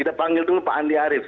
ini sudah kaya andi arief